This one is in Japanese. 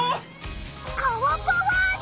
川パワーだ！